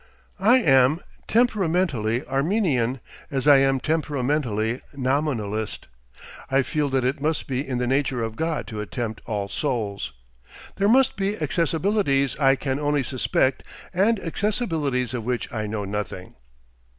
I am temperamentally Arminian as I am temperamentally Nominalist. I feel that it must be in the nature of God to attempt all souls. There must be accessibilities I can only suspect, and accessibilities of which I know nothing.